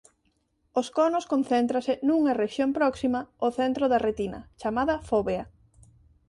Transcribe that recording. Os conos concéntranse nunha rexión próxima ó centro da retina chamada fóvea.